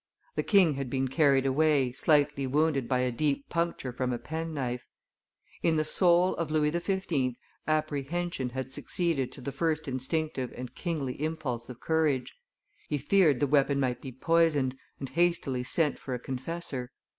The king had been carried away, slightly wounded by a deep puncture from a penknife. In the soul of Louis XV. apprehension had succeeded to the first instinctive and kingly impulse of courage; he feared the weapon might be poisoned, and hastily sent for a confessor.